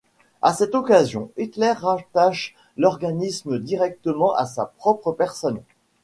À cette occasion, Hitler rattache l'organisme directement à sa propre personne.